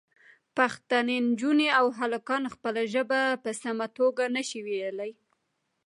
پښتنې نجونې او هلکان خپله ژبه په سمه توګه نه شي ویلی.